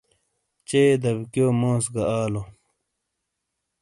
چے داویکیو موز گہ آلو۔